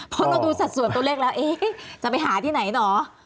เพราะเราดูสัดส่วนตัวเล็กแล้วจะไปหาที่ไหนเนอะ